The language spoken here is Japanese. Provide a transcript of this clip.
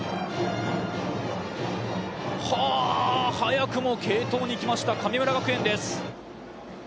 は、早くも継投に来ました神村学園です。